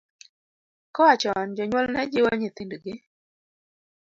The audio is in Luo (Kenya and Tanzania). Koa chon jonyuol ne jiwo nyithindgi .